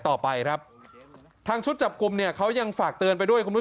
ต่อไปครับทางชุดจับกลุ่มเนี่ยเขายังฝากเตือนไปด้วยคุณผู้ชม